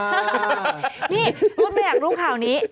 นี่คุณไม่อยากรู้ข่าวนี้